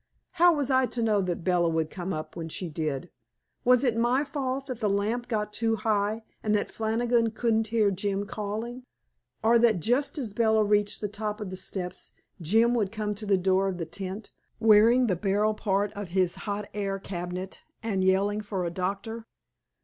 How was I to know that Bella would come up when she did? Was it my fault that the lamp got too high, and that Flannigan couldn't hear Jim calling? Or that just as Bella reached the top of the steps Jim should come to the door of the tent, wearing the barrel part of his hot air cabinet, and yelling for a doctor?